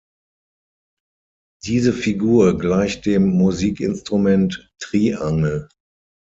Diese Figur gleicht dem Musikinstrument Triangel.